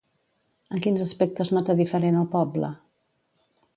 En quins aspectes nota diferent el poble?